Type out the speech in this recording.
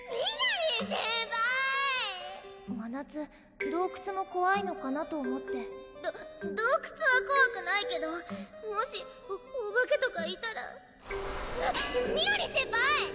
先輩まなつ洞窟もこわいのかなと思ってど洞窟はこわくないけどもしおお化けとかいたら・・みのりん先輩⁉